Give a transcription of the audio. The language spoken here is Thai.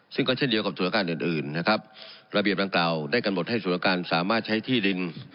ซึ่งก็เช่นเดียวกับสวัสดิการอื่นนะครับระเบียบต่างเก่าได้กันหมดให้สวัสดิการสามารถใช้ที่ดิน